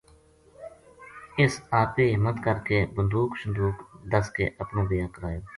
اس اَپے ہمت کر کے بندوکھ شندوکھ دَس کے اپنو بیاہ کرایو